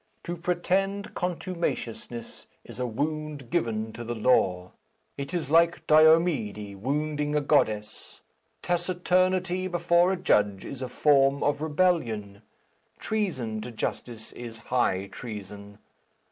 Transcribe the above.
To pretend contumaciousness is a wound given to the law. It is like Diomede wounding a goddess. Taciturnity before a judge is a form of rebellion. Treason to justice is high treason.